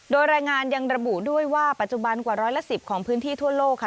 โดยรายงานยังระบุด้วยว่าปัจจุบันกว่าร้อยละ๑๐ของพื้นที่ทั่วโลกค่ะ